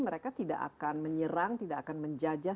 mereka tidak akan menyerang tidak akan menjajah